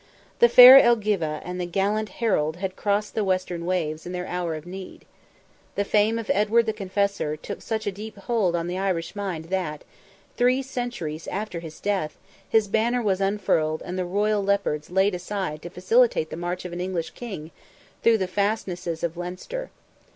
The fair Elgiva and the gallant Harold had crossed the western waves in their hour of need. The fame of Edward the Confessor took such deep hold on the Irish mind that, three centuries after his death, his banner was unfurled and the royal leopards laid aside to facilitate the march of an English King, through the fastnesses of Leinster.